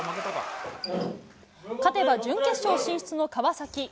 勝てば準決勝進出の川崎。